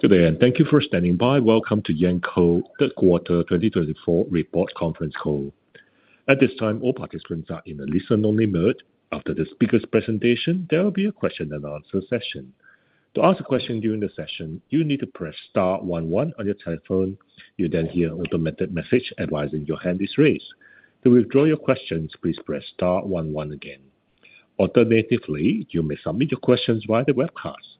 Good day, and thank you for standing by. Welcome to Yancoal Third Quarter 2024 Report Conference Call. At this time, all participants are in a listen-only mode. After the speaker's presentation, there will be a question and answer session. To ask a question during the session, you need to press star one one on your telephone. You'll then hear an automated message advising your hand is raised. To withdraw your questions, please press star one one again. Alternatively, you may submit your questions via the webcast.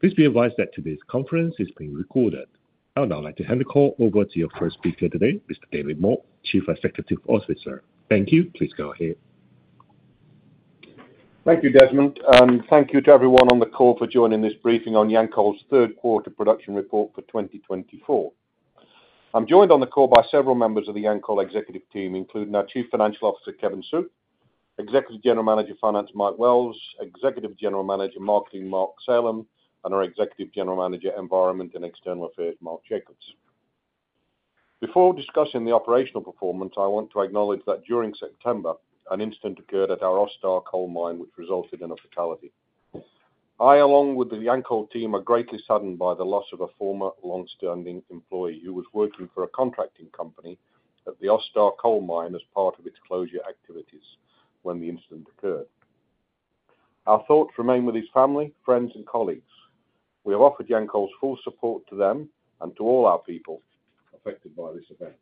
Please be advised that today's conference is being recorded. I would now like to hand the call over to your first speaker today, Mr. David Moult, Chief Executive Officer. Thank you. Please go ahead. Thank you, Desmond, and thank you to everyone on the call for joining this briefing on Yancoal's third quarter production report for 2024. I'm joined on the call by several members of the Yancoal executive team, including our Chief Financial Officer, Kevin Su, Executive General Manager of Finance, Mike Wells, Executive General Manager, Marketing, Mark Salem, and our Executive General Manager, Environment and External Affairs, Mark Jacobs. Before discussing the operational performance, I want to acknowledge that during September, an incident occurred at our Austar coal mine which resulted in a fatality. I, along with the Yancoal team, are greatly saddened by the loss of a former longstanding employee who was working for a contracting company at the Austar coal mine as part of its closure activities when the incident occurred. Our thoughts remain with his family, friends and colleagues. We have offered Yancoal's full support to them and to all our people affected by this event.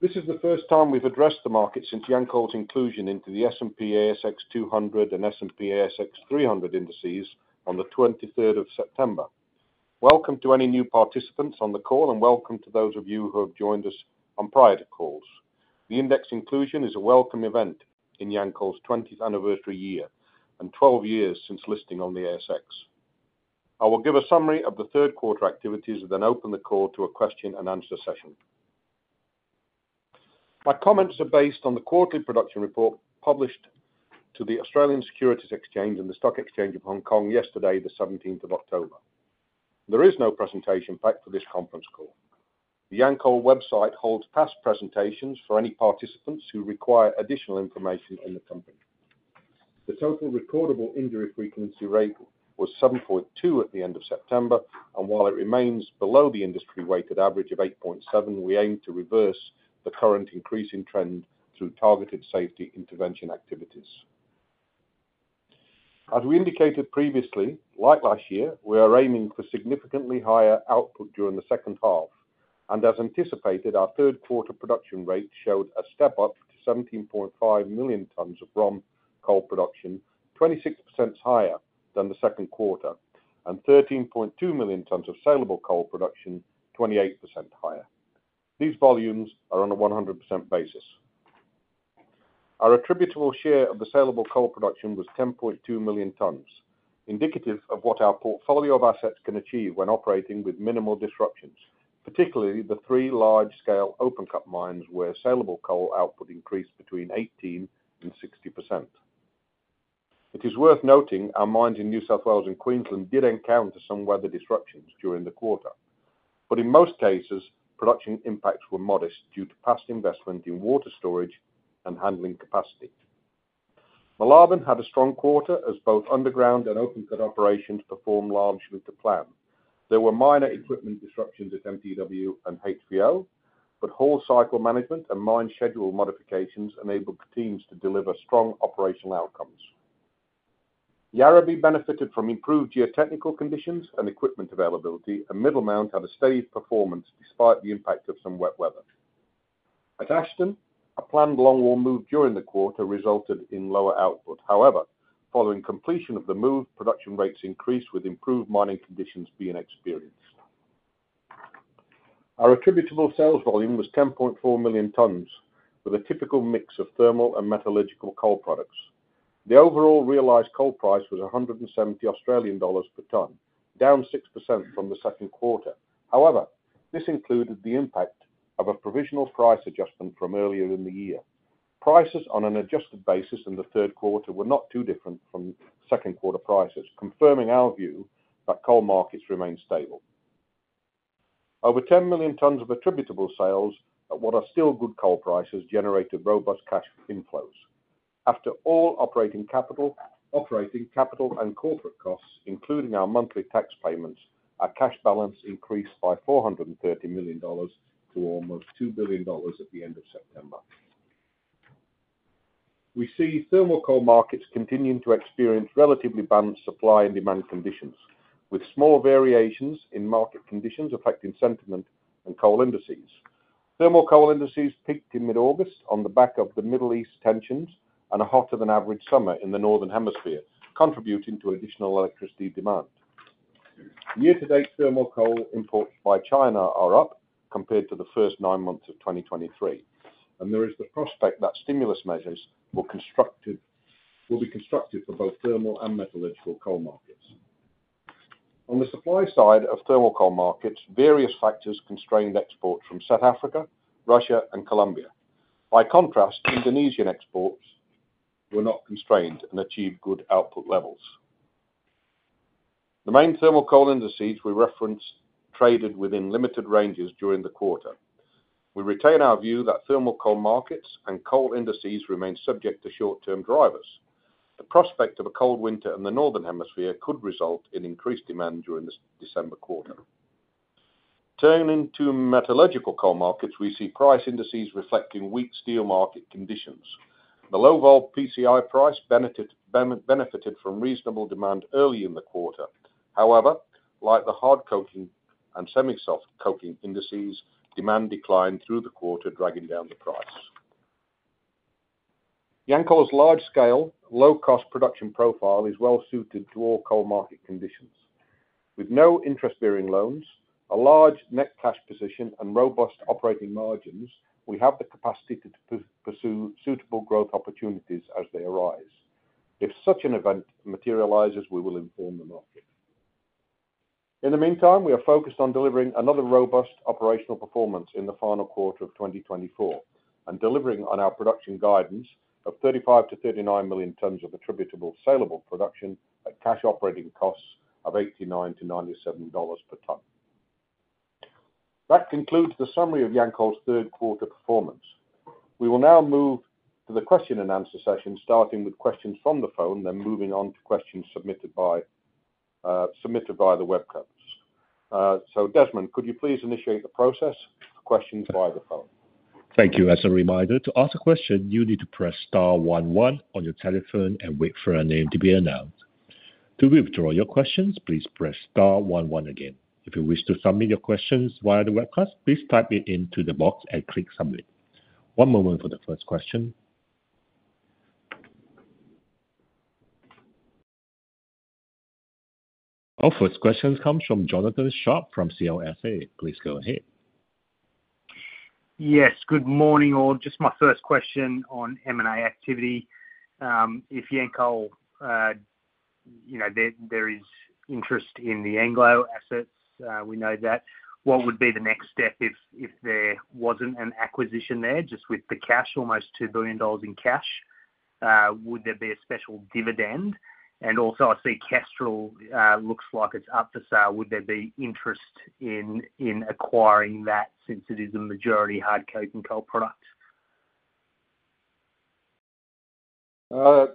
This is the first time we've addressed the market since Yancoal's inclusion into the S&P/ASX 200 and S&P/ASX 300 indices on the twenty-third of September. Welcome to any new participants on the call, and welcome to those of you who have joined us on prior calls. The index inclusion is a welcome event in Yancoal's twentieth anniversary year and 12 years since listing on the ASX. I will give a summary of the third quarter activities, then open the call to a question and answer session. My comments are based on the quarterly production report published to the Australian Securities Exchange and the Stock Exchange of Hong Kong yesterday, the seventeenth of October. There is no presentation pack for this conference call. The Yancoal website holds past presentations for any participants who require additional information on the company. The Total Recordable Injury Frequency Rate was 7.2 at the end of September, and while it remains below the industry weighted average of 8.7, we aim to reverse the current increasing trend through targeted safety intervention activities. As we indicated previously, like last year, we are aiming for significantly higher output during the second half, and as anticipated, our third quarter production rate showed a step-up to 17.5 million tonnes of ROM coal production, 26% higher than the second quarter, and 13.2 million tonnes of saleable coal production, 28% higher. These volumes are on a 100% basis. Our attributable share of the saleable coal production was 10.2 million tonnes, indicative of what our portfolio of assets can achieve when operating with minimal disruptions, particularly the three large-scale open-cut mines, where saleable coal output increased between 18% and 60%. It is worth noting, our mines in New South Wales and Queensland did encounter some weather disruptions during the quarter, but in most cases, production impacts were modest due to past investment in water storage and handling capacity. Moolarben had a strong quarter as both underground and open cut operations performed largely with the plan. There were minor equipment disruptions at MTW and HVO, but whole cycle management and mine schedule modifications enabled teams to deliver strong operational outcomes. Yarrabee benefited from improved geotechnical conditions and equipment availability, and Middlemount had a steady performance despite the impact of some wet weather. At Ashton, a planned longwall move during the quarter resulted in lower output. However, following completion of the move, production rates increased with improved mining conditions being experienced. Our attributable sales volume was 10.4 million tonnes, with a typical mix of thermal and metallurgical coal products. The overall realized coal price was 170 Australian dollars per tonne, down 6% from the second quarter. However, this included the impact of a provisional price adjustment from earlier in the year. Prices on an adjusted basis in the third quarter were not too different from second quarter prices, confirming our view that coal markets remain stable. Over 10 million tonnes of attributable sales at what are still good coal prices, generated robust cash inflows. After all operating capital and corporate costs, including our monthly tax payments, our cash balance increased by 430 million dollars to almost 2 billion dollars at the end of September. We see thermal coal markets continuing to experience relatively balanced supply and demand conditions, with small variations in market conditions affecting sentiment and coal indices. Thermal coal indices peaked in mid-August on the back of the Middle East tensions and a hotter than average summer in the Northern Hemisphere, contributing to additional electricity demand. Year-to-date, thermal coal imports by China are up compared to the first nine months of 2023, and there is the prospect that stimulus measures will be constructive for both thermal and metallurgical coal markets. On the supply side of thermal coal markets, various factors constrained exports from South Africa, Russia, and Colombia. By contrast, Indonesian exports were not constrained and achieved good output levels. The main thermal coal indices we referenced traded within limited ranges during the quarter. We retain our view that thermal coal markets and coal indices remain subject to short-term drivers. The prospect of a cold winter in the Northern Hemisphere could result in increased demand during this December quarter. Turning to metallurgical coal markets, we see price indices reflecting weak steel market conditions. The low-vol PCI price benefited from reasonable demand early in the quarter. However, like the hard coking and semi-soft coking indices, demand declined through the quarter, dragging down the price. Yancoal's large scale, low-cost production profile is well suited to all coal market conditions. With no interest-bearing loans, a large net cash position, and robust operating margins, we have the capacity to pursue suitable growth opportunities as they arise. If such an event materializes, we will inform the market. In the meantime, we are focused on delivering another robust operational performance in the final quarter of twenty twenty-four, and delivering on our production guidance of 35-39 million tonnes of attributable saleable production at cash operating costs of 89-97 dollars per tonne. That concludes the summary of Yancoal's third quarter performance. We will now move to the question and answer session, starting with questions from the phone, then moving on to questions submitted via the webcast. So, Desmond, could you please initiate the process for questions via the phone? Thank you. As a reminder, to ask a question, you need to press star one one on your telephone and wait for your name to be announced. To withdraw your questions, please press star one one again. If you wish to submit your questions via the webcast, please type it into the box and click Submit. One moment for the first question. Our first question comes from Jonathan Sharp from CLSA. Please go ahead. Yes, good morning, all. Just my first question on M&A activity. If Yancoal, you know, there is interest in the Anglo assets, we know that. What would be the next step if there wasn't an acquisition there, just with the cash, almost $2 billion in cash? Would there be a special dividend? And also, I see Kestrel looks like it's up for sale. Would there be interest in acquiring that since it is a majority hard coking coal product?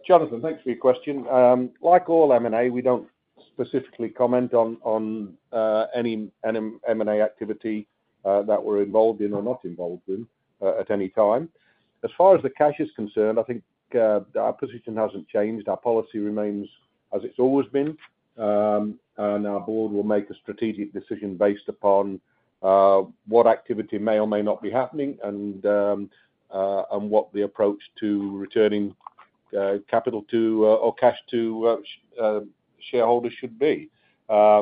Jonathan, thanks for your question. Like all M&A, we don't specifically comment on any M&A activity that we're involved in or not involved in at any time. As far as the cash is concerned, I think our position hasn't changed. Our policy remains as it's always been, and our board will make a strategic decision based upon what activity may or may not be happening, and what the approach to returning capital to or cash to shareholders should be,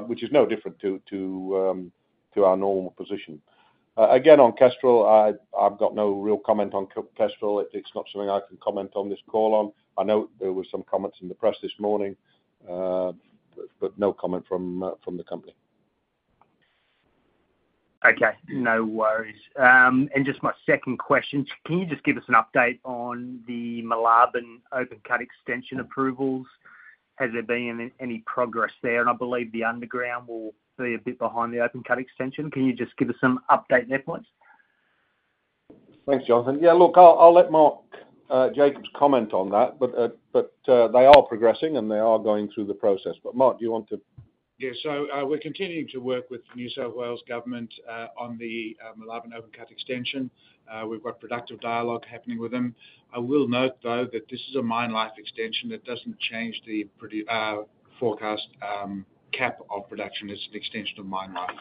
which is no different to our normal position. Again, on Kestrel, I've got no real comment on Kestrel. It's not something I can comment on this call. I know there were some comments in the press this morning, but no comment from the company. Okay, no worries, and just my second question, can you just give us an update on the Moolarben open cut extension approvals? Has there been any progress there? And I believe the underground will be a bit behind the open cut extension. Can you just give us some update on that point? Thanks, Jonathan. Yeah, look, I'll let Mark Jacobs comment on that. But, but, they are progressing, and they are going through the process. But Mark, do you want to? Yeah. So, we're continuing to work with the New South Wales government on the Moolarben open cut extension. We've got productive dialogue happening with them. I will note, though, that this is a mine life extension. It doesn't change the production forecast cap of production. It's an extension of mine life.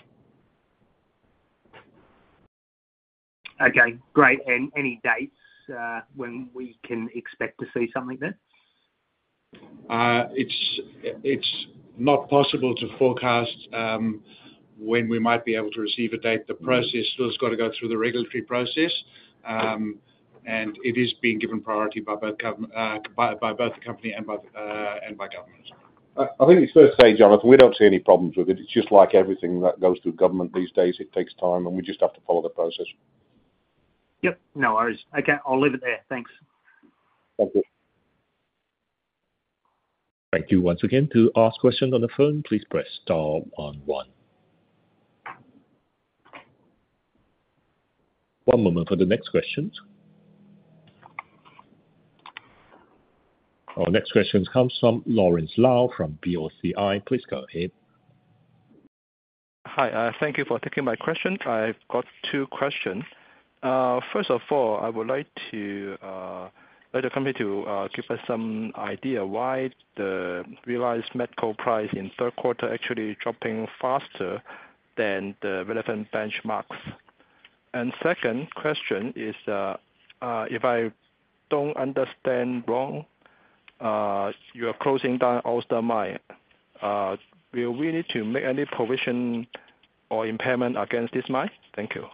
Okay, great. And any dates, when we can expect to see something there? It's not possible to forecast when we might be able to receive a date. The process still has got to go through the regulatory process, and it is being given priority by both the company and by the government. I think it's fair to say, Jonathan, we don't see any problems with it. It's just like everything that goes through government these days, it takes time, and we just have to follow the process. Yep, no worries. Okay, I'll leave it there. Thanks. Thank you. Thank you once again. To ask questions on the phone, please press star one one. One moment for the next questions. Our next question comes from Lawrence Lau, from BOCI. Please go ahead. Hi, thank you for taking my question. I've got two questions. First of all, I would like to, like the company to, give us some idea why the realized met coal price in third quarter actually dropping faster than the relevant benchmarks? And second question is, if I don't understand wrong, you are closing down Austar Mine. Will we need to make any provision or impairment against this mine? Thank you.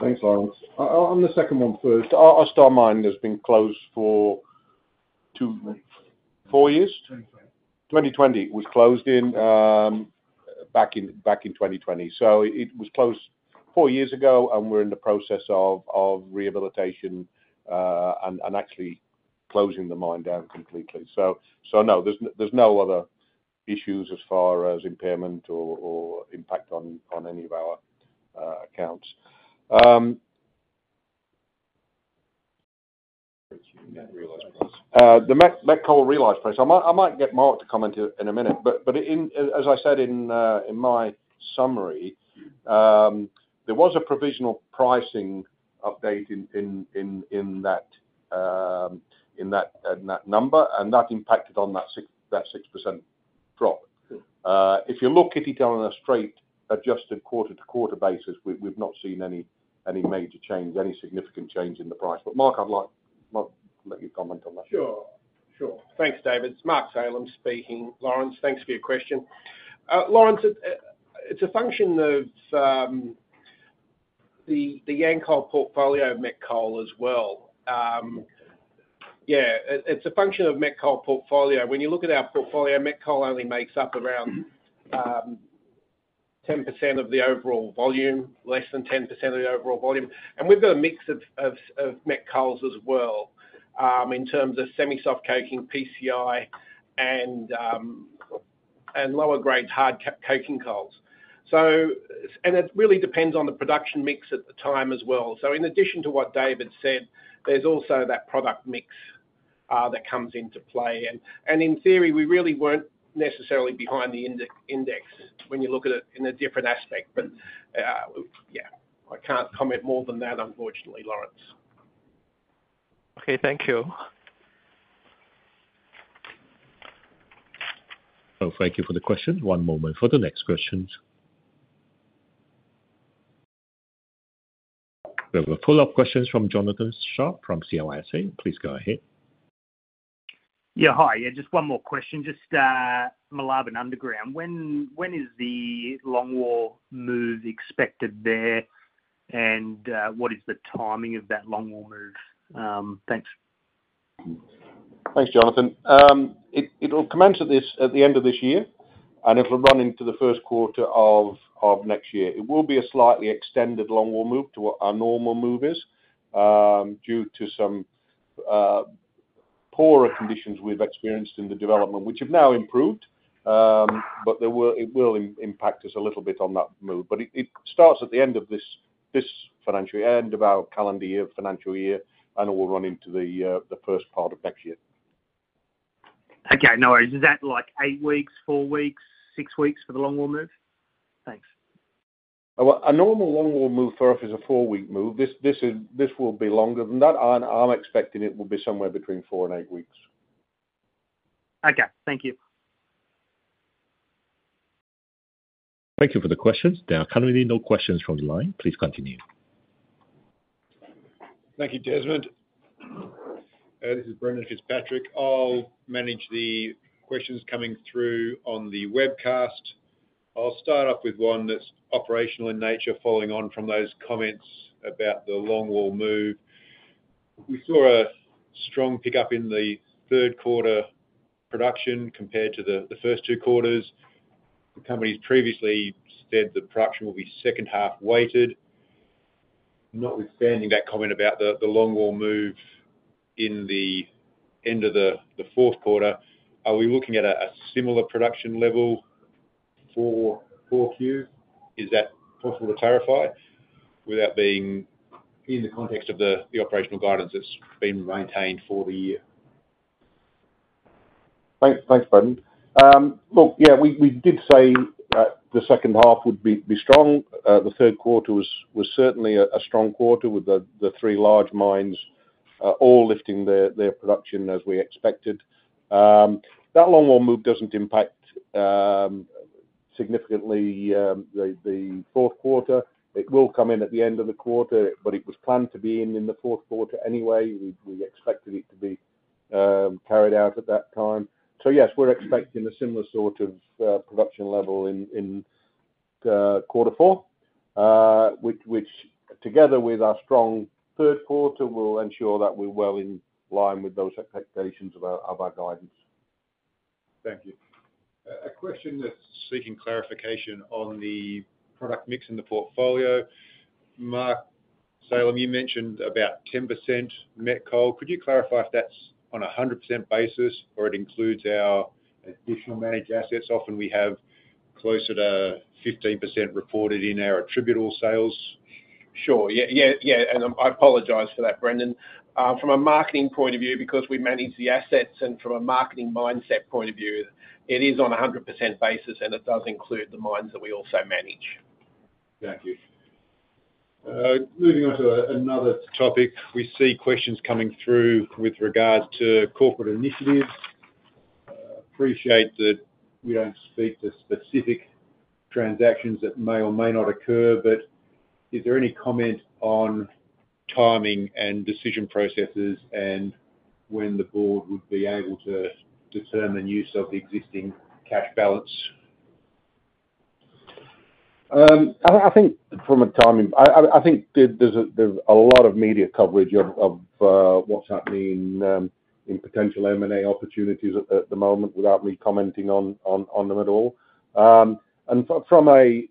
Thanks, Lawrence. On the second one first, Austar Mine has been closed for two, four years? Twenty twenty. 2020 was closed in back in 2020. So it was closed four years ago, and we're in the process of rehabilitation and actually closing the mine down completely. So no, there's no other issues as far as impairment or impact on any of our accounts. Met realized price. The met coal realized price. I might get Mark to comment here in a minute, but as I said in my summary, there was a provisional pricing update in that number, and that impacted on that 6% drop. Mm. If you look at it on a straight adjusted quarter to quarter basis, we've not seen any major change, any significant change in the price, but Mark, I'd like Mark let you comment on that. Sure, sure. Thanks, David. It's Mark Salem speaking. Lawrence, thanks for your question. Lawrence, it's a function of the Yancoal portfolio of met coal as well. Yeah, it's a function of met coal portfolio. When you look at our portfolio, met coal only makes up around 10% of the overall volume, less than 10% of the overall volume. And we've got a mix of met coals as well, in terms of semi-soft coking, PCI, and lower grade hard coking coals. So... And it really depends on the production mix at the time as well. So in addition to what David said, there's also that product mix that comes into play. And in theory, we really weren't necessarily behind the index when you look at it in a different aspect. But, yeah, I can't comment more than that, unfortunately, Lawrence. Okay, thank you. Oh, thank you for the question. One moment for the next question. We have a follow-up question from Jonathan Sharp from CLSA. Please go ahead. Yeah, hi. Yeah, just one more question. Just, Moolarben underground, when, when is the longwall move expected there? And, what is the timing of that longwall move? Thanks. Thanks, Jonathan. It'll commence at the end of this year, and it'll run into the first quarter of next year. It will be a slightly extended longwall move to what our normal move is, due to some poorer conditions we've experienced in the development, which have now improved, but it will impact us a little bit on that move, but it starts at the end of this financial year, end of our calendar year, financial year, and it will run into the first part of next year. Okay, no worries. Is that like eight weeks, four weeks, six weeks for the longwall move? Thanks. A normal longwall move for us is a four-week move. This will be longer than that. I'm expecting it will be somewhere between four and eight weeks. Okay, thank you. Thank you for the questions. There are currently no questions from the line. Please continue. Thank you, Desmond. This is Brendan Fitzpatrick. I'll manage the questions coming through on the webcast. I'll start off with one that's operational in nature, following on from those comments about the longwall move. We saw a strong pickup in the third quarter production compared to the first two quarters. The company's previously said that production will be second half weighted. Notwithstanding that comment about the longwall move in the end of the fourth quarter, are we looking at a similar production level for 4Q? Is that possible to clarify without being in the context of the operational guidance that's been maintained for the year? Thanks. Thanks, Brendan. Look, yeah, we did say that the second half would be strong. The third quarter was certainly a strong quarter with the three large mines all lifting their production as we expected. That longwall move doesn't impact significantly the fourth quarter. It will come in at the end of the quarter, but it was planned to be in the fourth quarter anyway. We expected it to be carried out at that time. So yes, we're expecting a similar sort of production level in quarter four, which together with our strong third quarter, will ensure that we're well in line with those expectations of our guidance. Thank you. A question that's seeking clarification on the product mix in the portfolio. Mark Salem, you mentioned about 10% met coal. Could you clarify if that's on a 100% basis or it includes our additional managed assets? Often we have closer to 15% reported in our attributable sales. Sure. Yeah, yeah, yeah, and, I apologize for that, Brendan. From a marketing point of view, because we manage the assets and from a marketing mindset point of view, it is on a 100% basis, and it does include the mines that we also manage. Thank you. Moving on to another topic, we see questions coming through with regards to corporate initiatives. Appreciate that we don't speak to specific transactions that may or may not occur, but is there any comment on timing and decision processes and when the board would be able to determine use of the existing cash balance? I think from a timing, there is a lot of media coverage of what's happening in potential M&A opportunities at the moment, without me commenting on them at all, and from a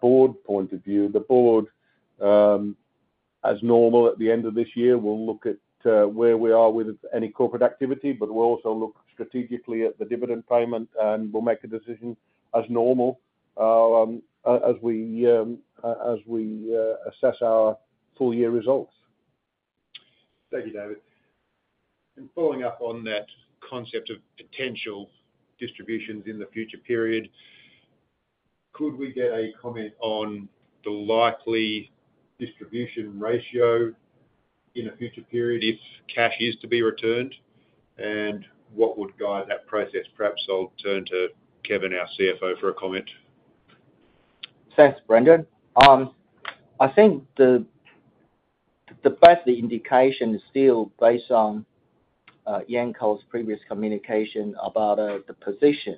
board point of view, the board as normal, at the end of this year, will look at where we are with any corporate activity, but we'll also look strategically at the dividend payment, and we'll make a decision as normal, as we assess our full year results. Thank you, David. And following up on that concept of potential distributions in the future period, could we get a comment on the likely distribution ratio in a future period, if cash is to be returned? And what would guide that process? Perhaps I'll turn to Kevin, our CFO, for a comment. Thanks, Brendan. I think the best indication is still based on Yancoal's previous communication about the position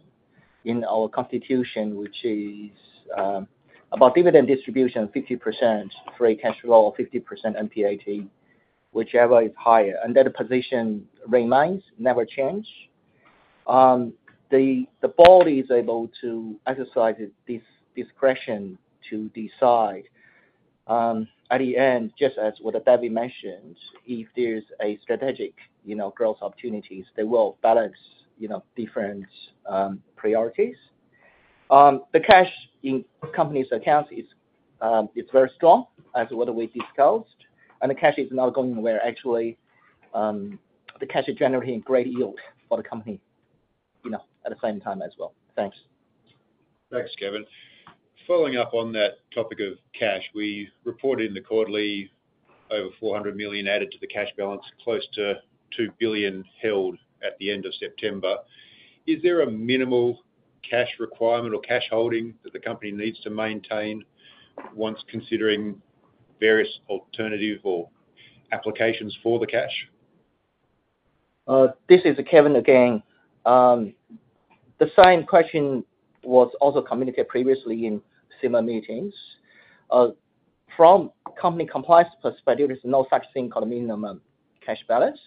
in our constitution, which is about dividend distribution 50% free cash flow, 50% NPAT, whichever is higher, and that position remains, never change. The board is able to exercise this discretion to decide at the end, just as what David mentioned, if there's a strategic, you know, growth opportunities, they will balance, you know, different priorities. The cash in company's accounts is very strong, as what we discussed, and the cash is now going where actually the cash is generating great yield for the company, you know, at the same time as well. Thanks. Thanks, Kevin. Following up on that topic of cash, we reported in the quarterly over 400 million added to the cash balance, close to 2 billion held at the end of September. Is there a minimal cash requirement or cash holding that the company needs to maintain once considering various alternatives or applications for the cash? This is Kevin again. The same question was also communicated previously in similar meetings. From company compliance perspective, there is no such thing called minimum cash balance,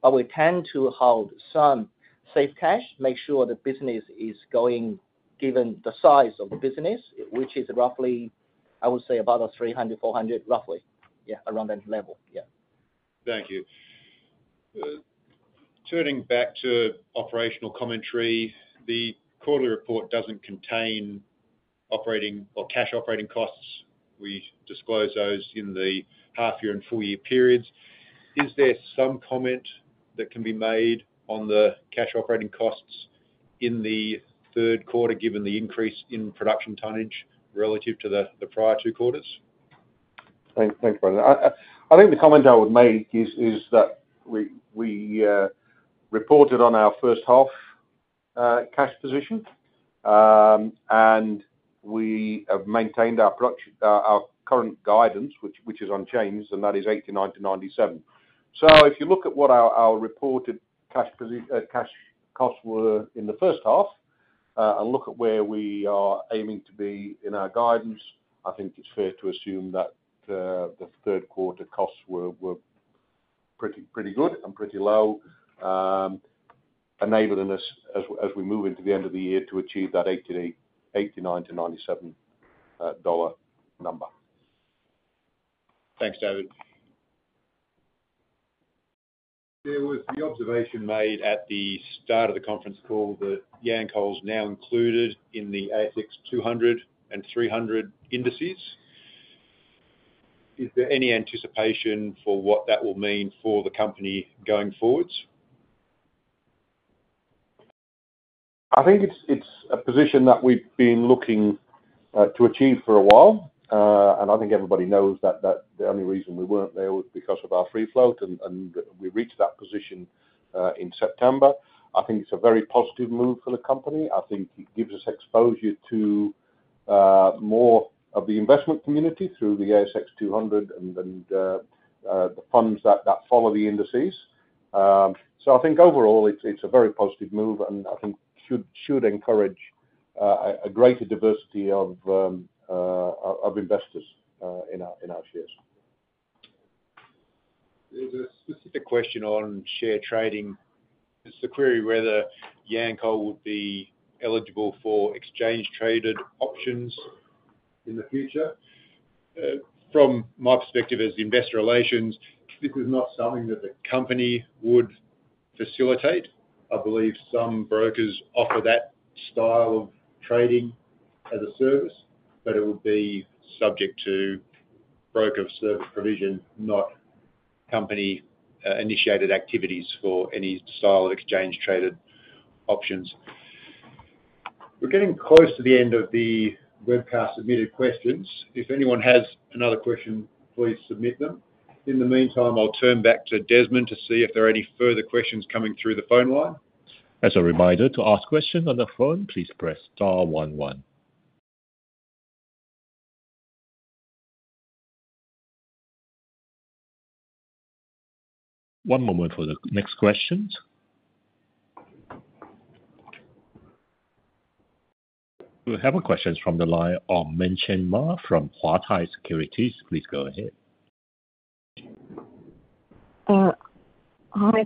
but we tend to hold some safe cash, make sure the business is going, given the size of the business, which is roughly, I would say, about 300-400, roughly. Yeah, around that level. Yeah. Thank you. Turning back to operational commentary, the quarterly report doesn't contain operating or cash operating costs. We disclose those in the half year and full year periods. Is there some comment that can be made on the cash operating costs in the third quarter, given the increase in production tonnage relative to the prior two quarters? Thanks for that. I think the comment I would make is that we reported on our first half cash position, and we have maintained our production, our current guidance, which is unchanged, and that is 89-97, so if you look at what our reported cash costs were in the first half, and look at where we are aiming to be in our guidance, I think it's fair to assume that the third quarter costs were pretty good and pretty low, enabling us, as we move into the end of the year, to achieve that 89-97 dollar number. Thanks, David. There was the observation made at the start of the conference call that Yancoal is now included in the ASX 200 and 300 indices. Is there any anticipation for what that will mean for the company going forwards? I think it's a position that we've been looking to achieve for a while. And I think everybody knows that the only reason we weren't there was because of our free float, and we reached that position in September. I think it's a very positive move for the company. I think it gives us exposure to more of the investment community through the ASX 200 and the funds that follow the indices. So I think overall it's a very positive move, and I think should encourage a greater diversity of investors in our shares. There's a specific question on share trading. It's a query whether Yancoal will be eligible for exchange-traded options in the future. From my perspective as investor relations, this is not something that the company would facilitate. I believe some brokers offer that style of trading as a service, but it would be subject to broker service provision, not company initiated activities for any style of exchange-traded options. We're getting close to the end of the webcast. Submitted questions. If anyone has another question, please submit them. In the meantime, I'll turn back to Desmond to see if there are any further questions coming through the phone line. As a reminder, to ask questions on the phone, please press star one one. One moment for the next questions. We have a question from the line of Mengchen Ma from Huatai Securities. Please go ahead. Hi.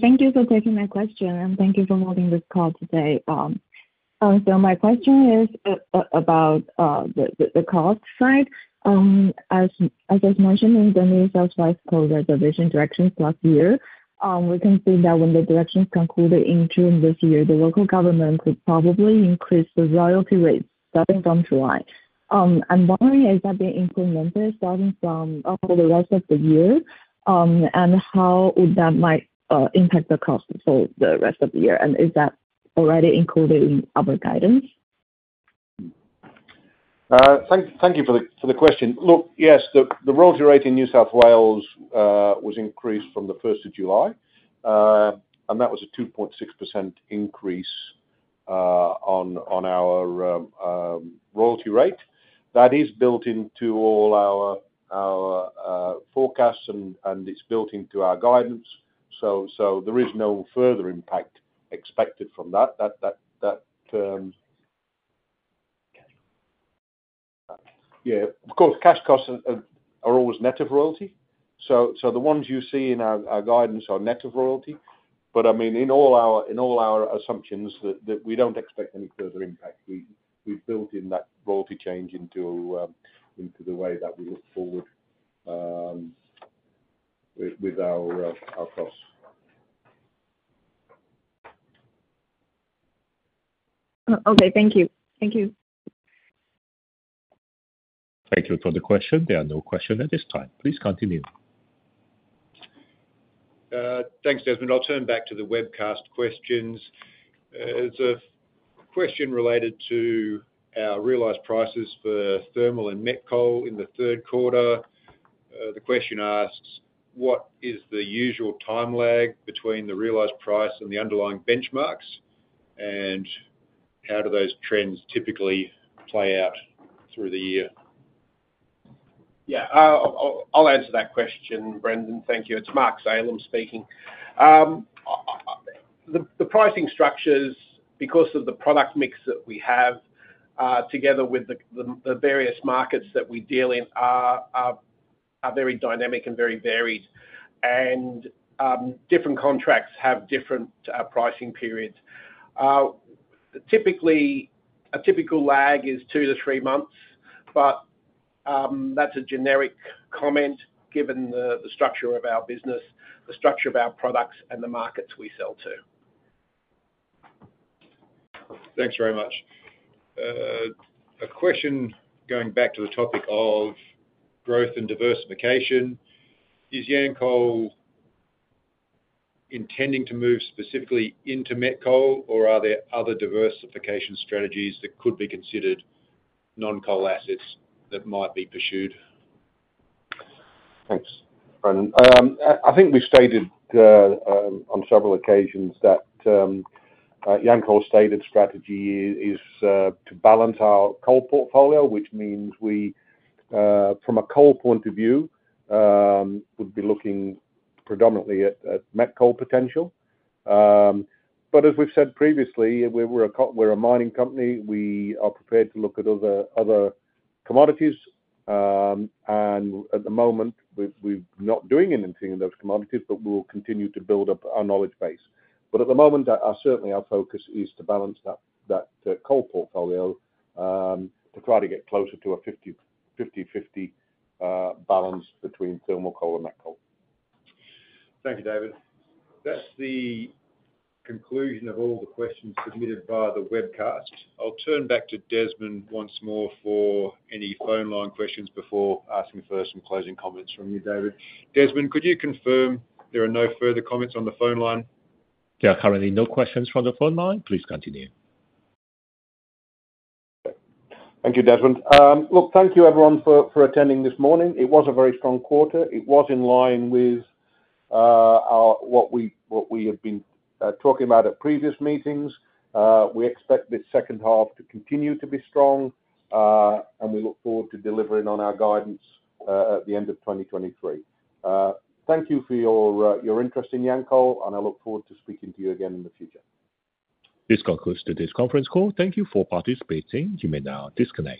Thank you for taking my question, and thank you for holding this call today. So my question is about the cost side. As was mentioned in the New South Wales Coal Reservation Directions last year, we can see that when the directions concluded in June this year, the local government would probably increase the royalty rates starting from July. I'm wondering, has that been implemented starting from for the rest of the year? And how would that might impact the cost for the rest of the year, and is that already included in our guidance? Thank you for the question. Look, yes, the royalty rate in New South Wales was increased from the first of July, and that was a 2.6% increase on our royalty rate. That is built into all our forecasts and it's built into our guidance, so there is no further impact expected from that. Yeah, of course, cash costs are always net of royalty. So the ones you see in our guidance are net of royalty, but I mean, in all our assumptions that we don't expect any further impact. We've built in that royalty change into the way that we look forward with our costs. Okay. Thank you. Thank you. Thank you for the question. There are no questions at this time. Please continue. Thanks, Desmond. I'll turn back to the webcast questions. It's a question related to our realized prices for thermal and met coal in the third quarter. The question asks: what is the usual time lag between the realized price and the underlying benchmarks, and how do those trends typically play out through the year? Yeah. I'll answer that question, Brendan, thank you. It's Mark Salem speaking. The pricing structures, because of the product mix that we have, together with the various markets that we deal in, are very dynamic and very varied. And, different contracts have different pricing periods. Typically, a typical lag is two to three months, but that's a generic comment, given the structure of our business, the structure of our products, and the markets we sell to. Thanks very much. A question going back to the topic of growth and diversification: Is Yancoal intending to move specifically into met coal, or are there other diversification strategies that could be considered non-coal assets that might be pursued? Thanks, Brendan. I think we stated on several occasions that Yancoal's stated strategy is to balance our coal portfolio, which means we, from a coal point of view, would be looking predominantly at met coal potential. But as we've said previously, we're a mining company. We are prepared to look at other commodities, and at the moment, we've not doing anything in those commodities, but we'll continue to build up our knowledge base, but at the moment certainly our focus is to balance that coal portfolio to try to get closer to a 50-50 balance between thermal coal and met coal. Thank you, David. That's the conclusion of all the questions submitted via the webcast. I'll turn back to Desmond once more for any phone line questions before asking for some closing comments from you, David. Desmond, could you confirm there are no further comments on the phone line? There are currently no questions from the phone line. Please continue. Thank you, Desmond. Look, thank you everyone for attending this morning. It was a very strong quarter. It was in line with what we have been talking about at previous meetings. We expect the second half to continue to be strong, and we look forward to delivering on our guidance at the end of twenty twenty-three. Thank you for your interest in Yancoal, and I look forward to speaking to you again in the future. This concludes today's conference call. Thank you for participating. You may now disconnect.